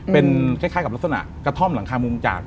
เป็นคล้ายกับลักษณะกระท่อมหลังคามุมจาก